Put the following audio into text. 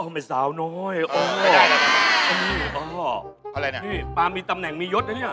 พี่ป่ามีตำแหน่งมียศภะเนี่ย